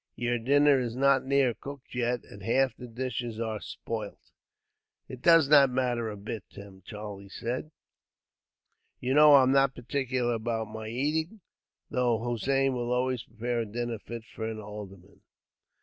Yer dinner is not near cooked yet, and half the dishes are spoilt." "It does not matter a bit, Tim," Charlie said. "You know I'm not particular about my eating, though Hossein will always prepare a dinner fit for an alderman."